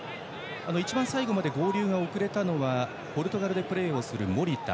一番最後まで合流が遅れたのはポルトガルでプレーする守田。